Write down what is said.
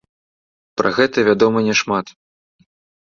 Пра гэта вядома няшмат.